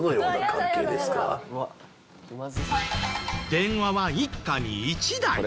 電話は一家に一台。